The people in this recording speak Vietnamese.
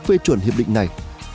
phê chuẩn hiệp định này